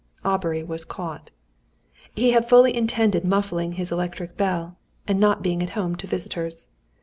Aubrey was caught! He had fully intended muffling his electric bell, and not being at home to visitors.